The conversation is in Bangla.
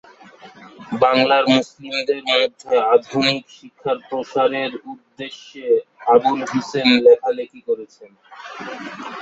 বাংলার মুসলিমদের মধ্যে আধুনিক শিক্ষার প্রসারের উদ্দেশ্যে আবুল হুসেন লেখালেখি করেছেন।